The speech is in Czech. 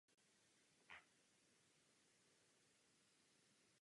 A proto také hlasuji proti zprávě pana Leinena.